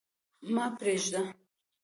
ما پرېږده.